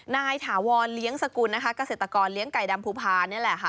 ถาวรเลี้ยงสกุลนะคะเกษตรกรเลี้ยงไก่ดำภูพานี่แหละค่ะ